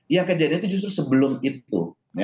yang kejadian itu justru sebelum itu